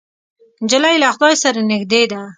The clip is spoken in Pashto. نجلۍ له خدای سره نږدې ده.